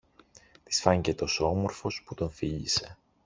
Της φάνηκε τόσο όμορφος, που τον φίλησε.